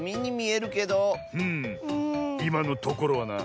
いまのところはな。